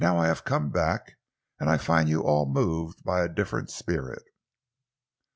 Now I have come back and I find you all moved by a different spirit."